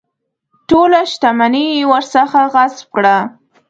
ټوله شته مني یې ورڅخه غصب کړه.